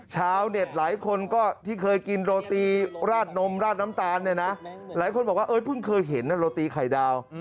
ชาวเน็ตหลายคนก็ที่เคยกินโรตีราดนมราดน้ำตาลเนี่ยนะหลายคนบอกว่าเพิ่งเคยเห็นโรตีไข่ดาว